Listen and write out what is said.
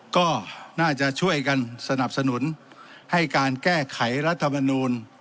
ก็น่าจะช่วยกันสนับสนุนให้การแก้ไขรัฐมนูล